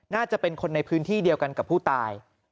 น่าจะเป็นคนในพื้นที่เดียวกันกับผู้ตาย